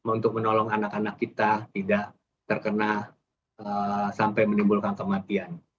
untuk menolong anak anak kita tidak terkena sampai menimbulkan kematian